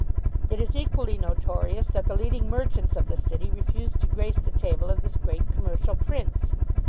It is equally notorious that the leading merchants of the City refused to grace the table of this great commercial prince.